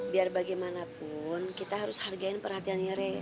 biar bagaimanapun kita harus hargain perhatiannya rere